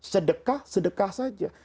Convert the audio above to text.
sedekah sedekah saja